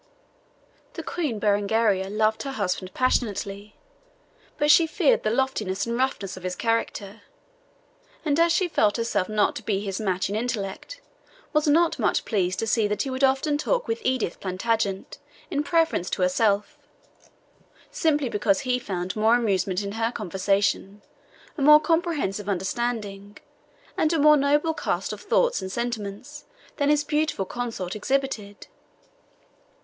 The Queen Berengaria loved her husband passionately, but she feared the loftiness and roughness of his character; and as she felt herself not to be his match in intellect, was not much pleased to see that he would often talk with Edith Plantagenet in preference to herself, simply because he found more amusement in her conversation, a more comprehensive understanding, and a more noble cast of thoughts and sentiments, than his beautiful consort exhibited.